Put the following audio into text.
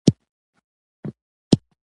او بل هغه چې د ښځې د صفتونو په توګه کارېدلي